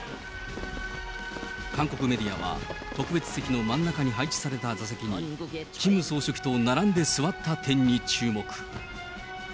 韓国メディアは特別席の真ん中に配置された座席に、キム総書記と並んで座った点に注目。